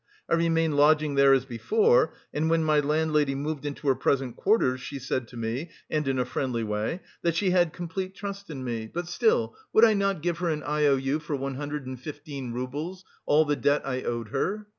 I remained lodging there as before, and when my landlady moved into her present quarters, she said to me... and in a friendly way... that she had complete trust in me, but still, would I not give her an I O U for one hundred and fifteen roubles, all the debt I owed her.